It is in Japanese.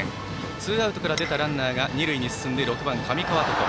ツーアウトから出たランナーが二塁に進んで６番、上川床。